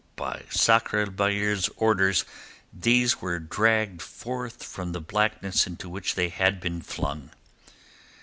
By Sakr el Bahr's orders these were dragged forth from the blackness into which they had been flung.